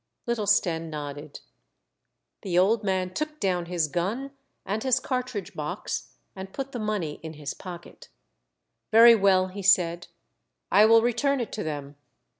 Little Stenne nodded. The old man took down his gun and his cartridge box, and put the money in his pocket. " Very well," he said ;" I will return it to them."